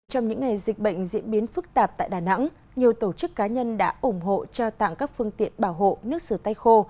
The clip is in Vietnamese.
trong những ngày dịch bệnh diễn biến phức tạp tại đà nẵng nhiều tổ chức cá nhân đã ủng hộ trao tặng các phương tiện bảo hộ nước sửa tay khô